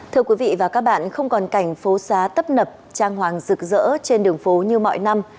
thưa quý vị và các bạn không còn cảnh phố xá tấp nập trang hoàng rực rỡ trên đường phố như mọi năm